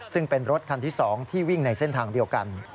ซึ่งเป็นรถคันที่๒ที่วิ่งในเส้นทางเดียวกัน